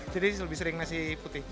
jadi lebih sering nasi putih